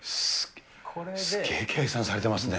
すっげえ計算されてますね。